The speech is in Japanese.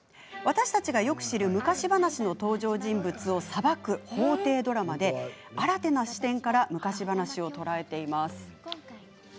私たちがよく知る昔話の登場人物を裁く法廷ドラマで新たな視点から昔話を捉えています。